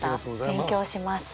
勉強します。